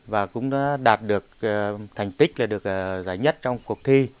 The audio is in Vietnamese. và cũng đã đạt được thành tích là được giải nhất trong cuộc thi